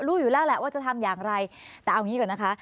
รู้อยู่แล้วแหละว่าจะทำอย่างไรแต่เอางี้ก่อนนะคะ